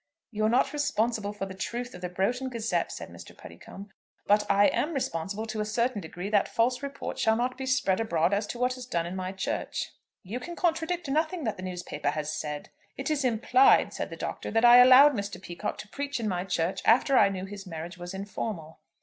"You are not responsible for the truth of the 'Broughton Gazette,"' said Mr. Puddicombe. "But I am responsible to a certain degree that false reports shall not be spread abroad as to what is done in my church." "You can contradict nothing that the newspaper has said." "It is implied," said the Doctor, "that I allowed Mr. Peacocke to preach in my church after I knew his marriage was informal."